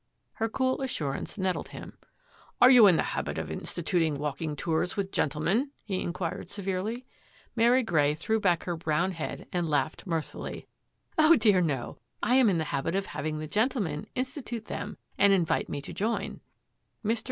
Her cool assurance nettled him. " Are you in the habit of instituting walking tours with gen tlemen? " he inquired severely. Mary Grey threw back her brown head and laughed mirthfully. " Oh, dear, no ! I am in the habit of having the gentlemen institute them and invite me to jom." Mr.